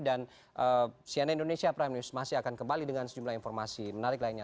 dan cnn indonesia prime news masih akan kembali dengan sejumlah informasi menarik lainnya